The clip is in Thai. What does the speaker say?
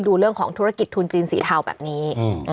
ดูเรื่องของธุรกิจทุนจีนสีเทาแบบนี้